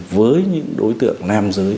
với những đối tượng nam giới